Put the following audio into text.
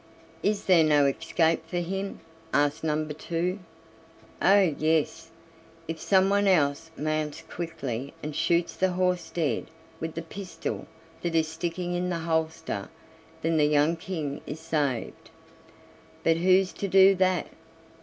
"Is there no escape for him?" asked number two. "Oh! yes, if someone else mounts quickly and shoots the horse dead with the pistol that is sticking in the holster, then the young King is saved. But who's to do that?